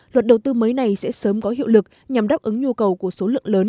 luật đầu tư mới này sẽ sớm có hiệu lực nhằm đáp ứng nhu cầu của số lượng lớn